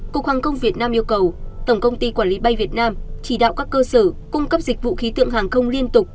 cục hàng không việt nam yêu cầu tổng công ty quản lý bay việt nam chỉ đạo các cơ sở cung cấp dịch vụ khí tượng hàng không liên tục